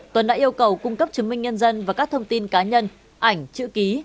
tuấn đã yêu cầu cung cấp chứng minh nhân dân và các thông tin cá nhân ảnh chữ ký